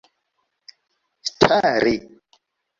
stari